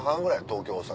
東京大阪。